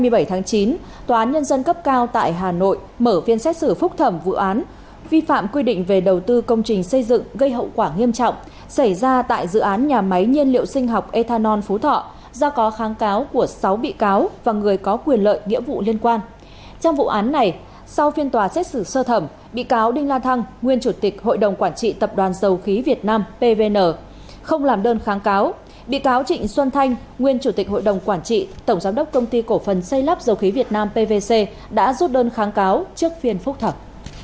bị cáo trịnh xuân thanh nguyên chủ tịch hội đồng quản trị tổng giám đốc công ty cổ phần xây lắp dầu khí việt nam pvc đã rút đơn kháng cáo trước phiên phúc thẩm